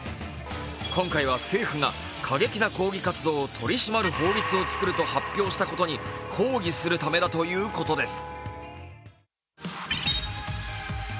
今回は政府が過激な抗議活動を取り締まる法律を作ると発表したことに抗議するためだということです。